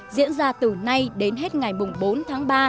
diễn ra từ nay đến hết ngày bốn tháng ba